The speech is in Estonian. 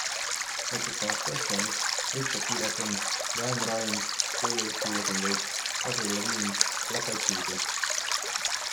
Näiteks Anastasia on üks, veits Shakirat on, LeAnn Rimes, J-Lo'd kuulasin veits, Avril Lavigne'i, Black Eyed Peas'i.